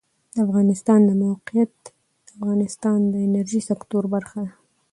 د افغانستان د موقعیت د افغانستان د انرژۍ سکتور برخه ده.